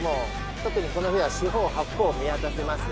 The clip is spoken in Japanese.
特にこの船は四方八方を見渡せますのでね。